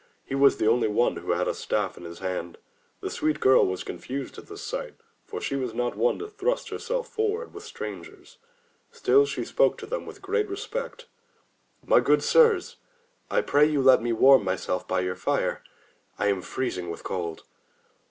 He was the only one who had a staff in his hand. The sweet girl was confused at this sight, for she was not one to thrust herself for ward with strangers. Still she spoke to them with great respect. "My good sirs, I pray you let me warm myself by your fire; I am freezing with cold.'